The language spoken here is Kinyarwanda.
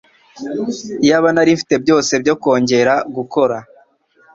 Iyaba nari mfite byose byo kongera gukora